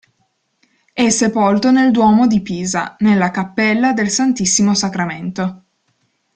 È sepolto nel Duomo di Pisa, nella cappella del Santissimo Sacramento.